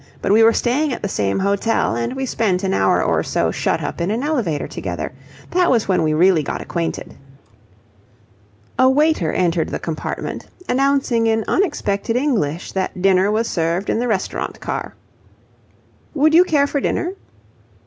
But we were staying at the same hotel, and we spent an hour or so shut up in an elevator together. That was when we really got acquainted." A waiter entered the compartment, announcing in unexpected English that dinner was served in the restaurant car. "Would you care for dinner?"